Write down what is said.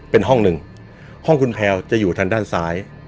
เป็นห้องหนึ่งห้องคุณแพลวจะอยู่ทางด้านซ้าย